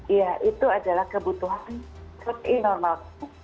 ya itu adalah kebutuhan yang normal